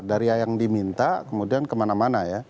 dari yang diminta kemudian kemana mana ya